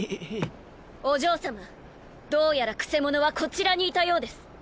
お嬢様どうやらクセ者はこちらにいたようです。